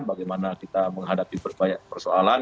bagaimana kita menghadapi berbagai persoalan